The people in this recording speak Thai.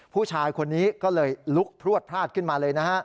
ผู้ชายคนนี้ก็เลยลุกพลวดพลาดขึ้นมาเลยนะฮะ